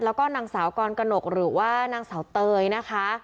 แล้วก็นางสาวกรกนกหรือว่านางสาวเตยนะคะ